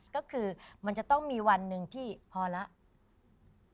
ก็คือมันจะต้องมีวันหนึ่งที่พอแล้ว